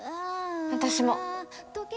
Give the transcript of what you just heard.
私も。